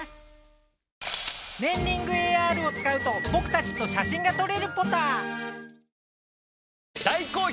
ねんリングＡＲを使うとぼくたちと写真がとれるポタ。